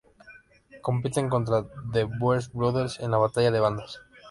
Compiten contra The Blues Brothers en la batalla de bandas.